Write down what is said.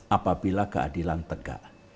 apabila keadilan tegak